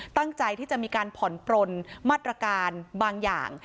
ตั้งใจที่จะมีการผ่อนปลนมาตรการบางอย่าง